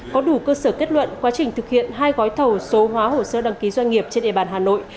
có đủ cơ sở kết luận quá trình thực hiện hai gói thầu số hóa hồ sơ đăng ký doanh nghiệp trên địa bàn hà nội